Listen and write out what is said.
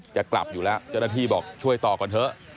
จะกลับอยู่แล้วเจ้าหน้าที่บอกช่วยต่อก่อนเถอะ